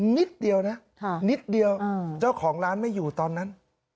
นิดเดียวนะนิดเดียวเจ้าของร้านไม่อยู่ตอนนั้น